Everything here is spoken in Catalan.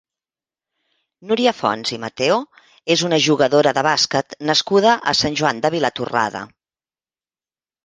Núria Fonts i Mateo és una jugadora de bàsquet nascuda a Sant Joan de Vilatorrada.